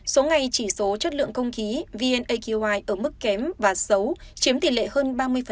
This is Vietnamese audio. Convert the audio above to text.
số ngày chỉ số chất lượng không khí vn aqi ở mức kém và xấu chiếm tỷ lệ hơn ba mươi